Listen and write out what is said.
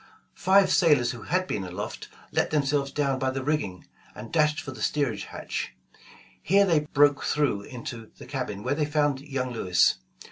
Five sailors who had been aloft, let themselves down by the rigging, and dashed for the steerage hatch. Here they broke through into the cabin, where they found young Lewis.